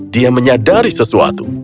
dia menyadari sesuatu